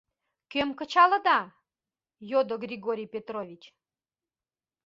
— Кӧм кычалыда? — йодо Григорий Петрович.